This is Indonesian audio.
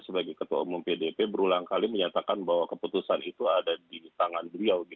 sebagai ketua umum pdp berulang kali menyatakan bahwa keputusan itu ada di tangan beliau